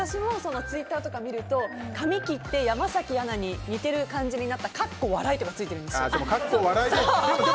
ツイッターとか見ると、私も髪を切って山崎アナに似ている感じになったかっこ笑いってついているんですよ。